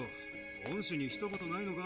恩師にひと言ないのか？